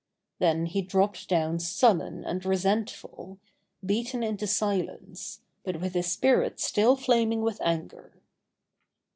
Then he dropped down sullen and resentful, beaten into silence, but with his spirit still flaming with anger.